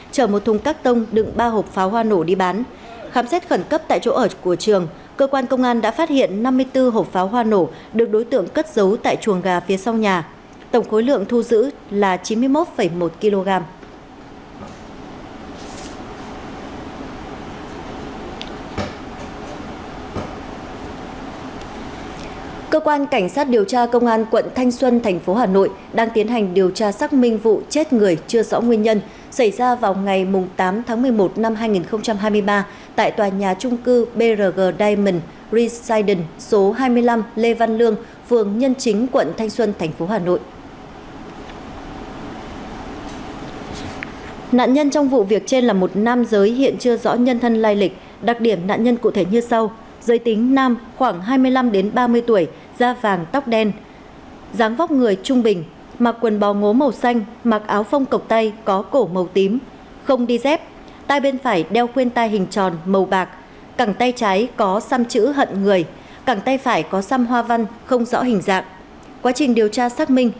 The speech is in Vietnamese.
tòa án nhân dân tp hcm đã tuyên bản án sơ thẩm đối với hai bị cáo trong vụ cháy trung cư carina plaza quận tám tp hcm đang tiến hành điều tra xác minh vụ chết người chưa rõ nguyên nhân xảy ra vào ngày tám tháng một mươi một năm hai nghìn hai mươi ba tại tòa nhà trung cư brg diamond residence số hai mươi năm lê văn lương phường nhân chính quận năm tp hcm đang tiến hành điều tra xác minh vụ chết người chưa rõ nguyên nhân xảy ra vào ngày tám tháng một mươi một năm hai nghìn hai mươi ba tại tòa nhà trung cư brg diamond residence số hai mươi năm lê văn lương phường nhân chính quận năm tp hcm đang tiến hành điều tra xác minh vụ chết người